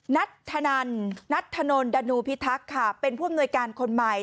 นัทธนันนัทธนนดานูพิทักษ์ค่ะเป็นผู้อำนวยการคนใหม่